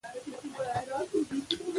د ضبط هدف؛ خوندي کول او ساتل دي.